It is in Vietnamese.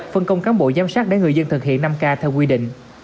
phân công cán bộ giám sát để người dân thực hiện năm k theo quy định